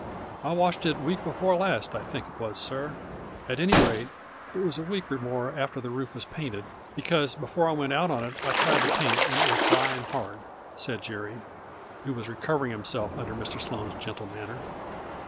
"" I washed it week before last, I think it was, sir, at any rate it was a week or more after the roof was painted, because, before I went out on it, I tried the paint, and it was dry and hard." said Jerry, who was recovering himself under Mr. Sloane's gentle manner.